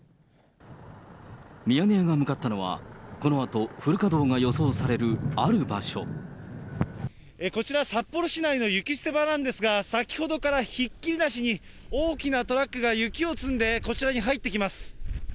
ミヤネ屋が向かったのは、このあこちら、札幌市内の雪捨て場なんですが、先ほどからひっきりなしに大きなトラックが雪を積んで、こちらに入ってきます。